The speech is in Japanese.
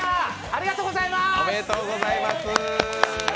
ありがとうございます。